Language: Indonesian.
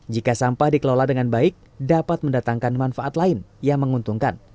jika sampah dikelola dengan baik dapat mendatangkan manfaat lain yang menguntungkan